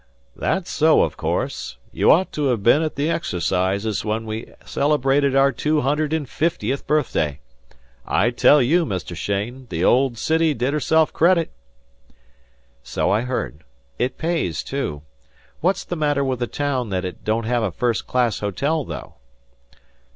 "That's so, of course. You ought to have been at the exercises when we celebrated our two hundred and fiftieth birthday. I tell you, Mr. Cheyne, the old city did herself credit." "So I heard. It pays, too. What's the matter with the town that it don't have a first class hotel, though?"